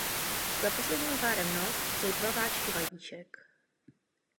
Za posledním párem noh jsou dva váčky vajíček.